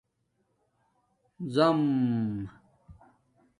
زَم